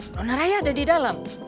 nona raya ada di dalam